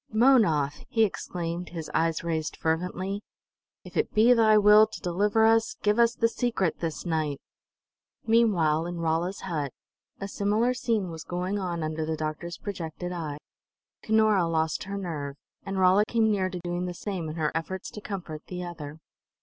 "Mownoth!" he exclaimed, his eyes raised fervently. "If it be thy will to deliver us, give us the secret this night!" Meanwhile, in Rolla's hut, a similar scene was going on under the doctor's projected eye. Cunora lost her nerve, and Rolla came near to doing the same in her efforts to comfort the other.